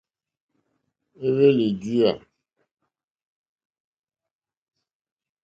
Éhwélì díyà.